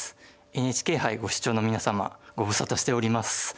ＮＨＫ杯ご視聴の皆様ご無沙汰しております。